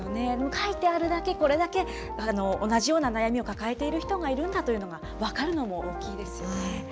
書いてあるだけ、これだけ同じような悩みを抱えている人がいるんだというのが分かるのも大きいですよね。